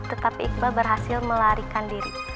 tetapi iqbal berhasil melarikan diri